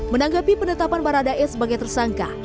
menanggapi penetapan baradae sebagai tersangka